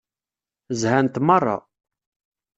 Zhant meṛṛa.